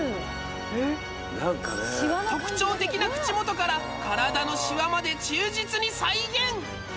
特徴的な口元から体のシワまで忠実に再現